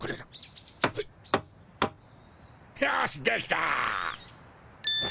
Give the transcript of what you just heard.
よしできた！